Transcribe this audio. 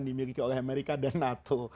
dimiliki oleh amerika dan nato